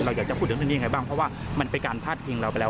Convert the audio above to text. อยากจะพูดถึงเรื่องนี้ยังไงบ้างเพราะว่ามันเป็นการพาดพิงเราไปแล้ว